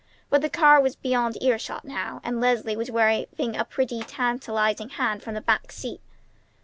But the car was beyond ear shot now, and Leslie was waving a pretty, tantalizing hand from the back seat.